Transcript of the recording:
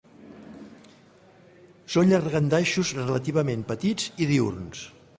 Són llangardaixos relativament petits i diürns.